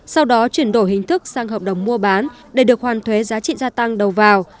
sau đó chuyển đổi hình thức sang hợp đồng mua bán để được hoàn thuế giá trị gia tăng đầu vào